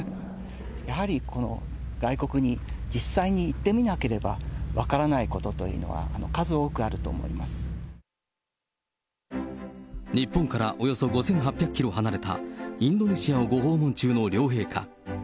やはり外国に実際に行ってみなければ分からないことというのは数日本からおよそ５８００キロ離れたインドネシアをご訪問中の両陛下。